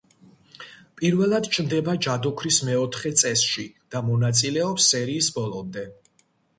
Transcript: პირველად ჩნდება ჯადოქრის მეოთხე წესში და მონაწილეობს სერიის ბოლომდე.